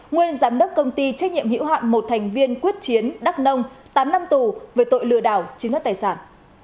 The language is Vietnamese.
nguyên giám đốc công ty trách nhiệm hữu hạn một thành viên quyết chiến đắk nông tám năm tù về tội lừa đảo chiếm đất tài sản